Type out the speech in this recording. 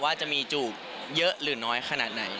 ว่าจะมีจูบเยอะหรือน้อยขนาดไหน